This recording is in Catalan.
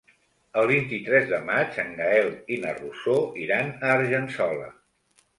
El vint-i-tres de maig en Gaël i na Rosó iran a Argençola.